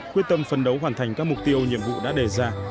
quyết tâm phân đấu hoàn thành các mục tiêu nhiệm vụ đã đề ra